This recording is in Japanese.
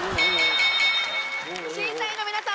審査員の皆さん